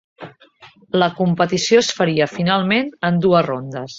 La competició es faria finalment en dues rondes.